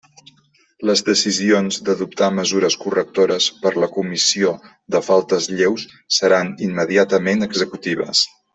Les decisions d'adoptar mesures correctores per la comissió de faltes lleus seran immediatament executives.